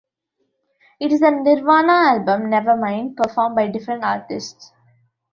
It is the Nirvana album "Nevermind", performed by different artists.